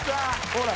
ほら。